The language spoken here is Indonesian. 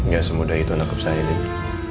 gak semudah itu anakku saya ini